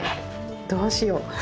どうしよう。